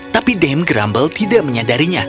tapi dame grumble tidak menyadarinya